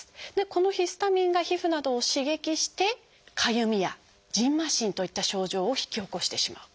このヒスタミンが皮膚などを刺激して「かゆみ」や「じんましん」といった症状を引き起こしてしまう。